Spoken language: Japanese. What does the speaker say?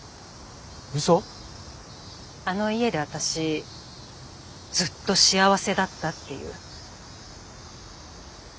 あの家で私ずっと幸せだったっていう。